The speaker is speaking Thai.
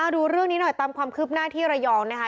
ดูเรื่องนี้หน่อยตามความคืบหน้าที่ระยองนะคะ